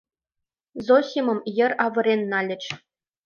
Зосимым йыр авырен нальыч.